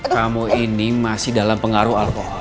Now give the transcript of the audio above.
kamu ini masih dalam pengaruh alkohol